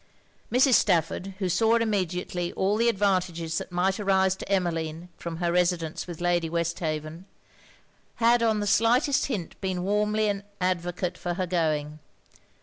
Mrs. Stafford, who saw immediately all the advantages that might arise to Emmeline from her residence with Lady Westhaven, had on the slightest hint been warmly an advocate for her going.